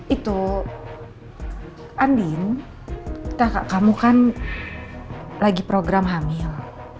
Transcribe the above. itu andin kamu kan lagi program hamil